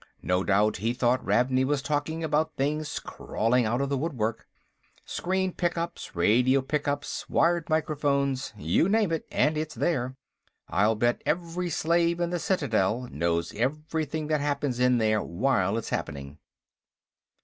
No doubt he thought Ravney was talking about things crawling out of the woodwork. "Screen pickups, radio pickups, wired microphones; you name it and it's there. I'll bet every slave in the Citadel knows everything that happens in there while it's happening."